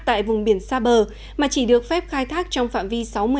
tại vùng biển xa bờ mà chỉ được phép khai thác trong phạm vi sáu m